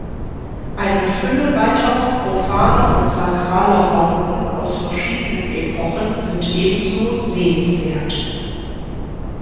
Eine Fülle weiterer profaner und sakraler Bauten aus verschiedenen Epochen sind ebenso sehenswert.